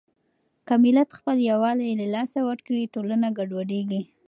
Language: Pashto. که ملت خپل يووالی له لاسه ورکړي، ټولنه ګډوډېږي.